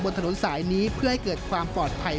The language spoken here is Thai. ถนนสายนี้เพื่อให้เกิดความปลอดภัย